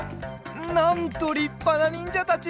なんとりっぱなにんじゃたち。